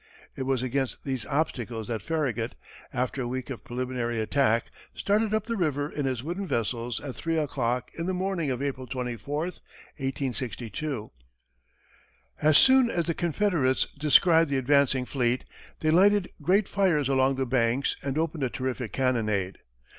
It was against these obstacles that Farragut, after a week of preliminary attack, started up the river in his wooden vessels at three o'clock in the morning of April 24, 1862. As soon as the Confederates descried the advancing fleet, they lighted great fires along the banks and opened a terrific cannonade.